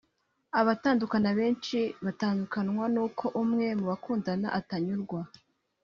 abakundana benshi batandukanywa n’uko umwe mu bakundana atanyurwa